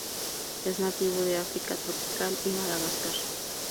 Es nativo de África tropical y Madagascar.